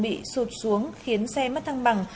bị sụt xuống khiến xe mất thăng bằng